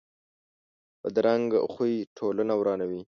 بدرنګه خوی ټولنه ورانوي